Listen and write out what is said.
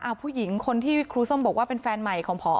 ผู้หญิงคนที่ครูส้มบอกว่าเป็นแฟนใหม่ของพอ